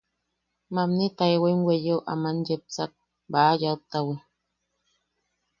Mamni taewaim weyeo aman yepsak, Baʼa Yaʼut-ta-wi.